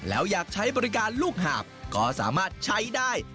แล้วอยากใช้บริการลูกหาบก็สามารถใช้ได้